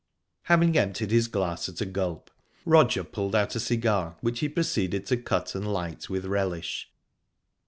Having emptied his glass at a gulp, Roger pulled out a cigar, which he proceeded to cut and light with relish.